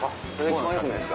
一番よくないですか？